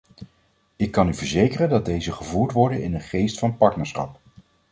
Ik kan u verzekeren dat deze gevoerd worden in een geest van partnerschap.